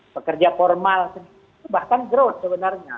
pekerja formal bahkan growth sebenarnya